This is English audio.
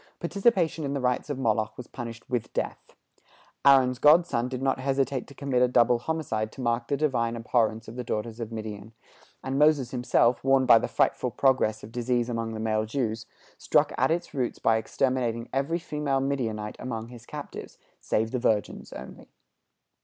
Participation in the rites of Moloch was punished with death. Aaron's grandson did not hesitate to commit a double homicide to mark the Divine abhorrence of the daughters of Midian; and Moses himself, warned by the frightful progress of disease among the male Jews, struck at its roots by exterminating every female Midianite among his captives, save the virgins only.